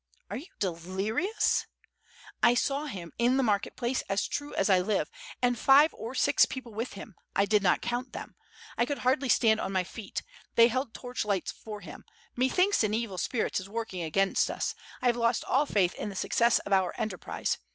"Are you delirious?" "I saw him in the market place as true as I live, and five or six people with him. I did not count them. I could hardly stand on my feet — they held torch lights for him — methinks an evil spirit is working against us; I haye lost all faith in the success of our enterprise.